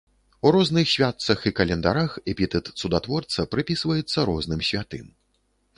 У розных святцах і календарах эпітэт цудатворца прыпісваецца розным святым.